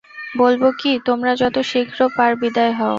বলব কি, তোমরা যত শীঘ্র পার বিদায় হও!